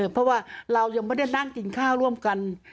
เพราะว่าเรายังไม่ได้นั่งกินข้าวร่วมกัน